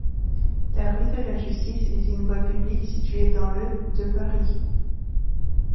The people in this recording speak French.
La rue de la Justice est une voie publique située dans le de Paris.